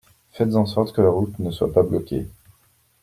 Faites en sorte que la route ne soit pas bloquée.